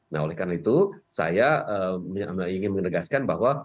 nah oleh karena itu saya ingin menegaskan bahwa